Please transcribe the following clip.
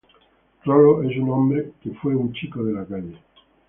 Rolo es un hombre que fue un chico de la calle.